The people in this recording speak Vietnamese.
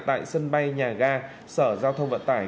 tại sân bay nhà ga sở giao thông vận tải